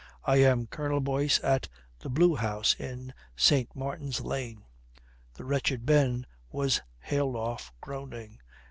I am Colonel Boyce at the Blue House in St. Martin's Lane." The wretched Ben was haled off, groaning.